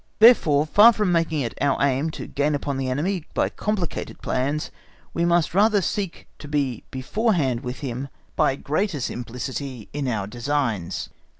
Therefore, far from making it our aim to gain upon the enemy by complicated plans, we must rather seek to be beforehand with him by greater simplicity in our designs.